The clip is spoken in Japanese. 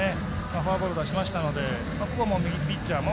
フォアボール出しましたので右ピッチャーの。